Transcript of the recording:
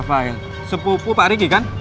pak rafael sepupu pak ricky kan